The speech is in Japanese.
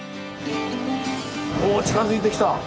お近づいてきた。